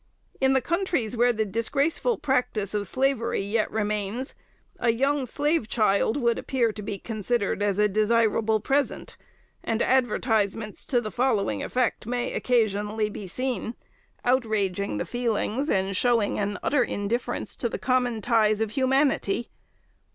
In the countries where the disgraceful practice of slavery yet remains, a young slave child would appear to be considered as a desirable present, and advertisements to the following effect may be occasionally seen, outraging the feelings, and showing an utter indifference to the common ties of humanity.